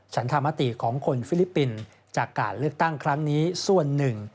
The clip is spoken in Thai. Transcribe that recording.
ธรรมติของคนฟิลิปปินส์จากการเลือกตั้งครั้งนี้ส่วนหนึ่ง